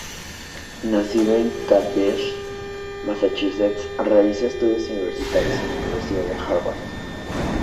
Nacido en Cambridge, Massachusetts, realizó estudios universitarios en la Universidad de Harvard.